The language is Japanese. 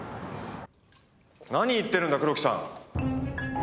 何言ってるんだ黒木さん！